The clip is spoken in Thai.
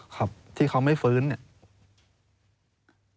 ครับที่เขาไม่ฟื้นเนี่ย